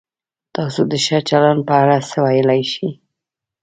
تاسو د ښه چلند په اړه څه ویلای شئ؟